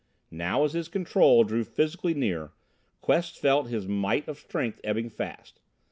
Now as his Control drew physically near, Quest felt his mite of strength ebbing fast.